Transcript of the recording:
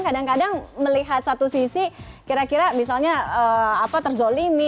kadang kadang melihat satu sisi kira kira misalnya terzolimi